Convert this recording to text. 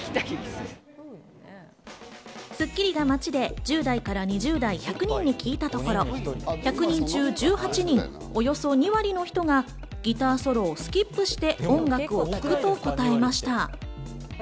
『スッキリ』が街で１０代から２０代、１００人に聞いたところ、１００人中１８人、およそ２割の人がギターソロをスキップして音楽を聴くと答えました。